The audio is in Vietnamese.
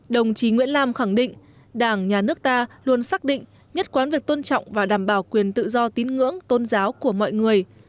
đồng chí nguyễn lam khẳng định đảng nhà nước ta luôn xác định nhất quán việc tôn trọng và đảm bảo quyền tự do tín ngưỡng tôn giáo của mọi người